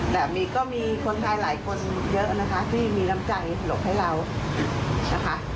แต่มีก็มีคนไทยหลายคนเยอะนะคะที่มีน้ำใจถลกให้เรานะคะ